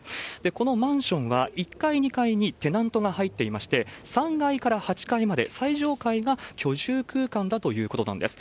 このマンションは１階、２階にテナントが入っていまして、３階から８階まで、最上階が居住空間だということなんです。